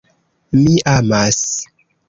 Mi amas.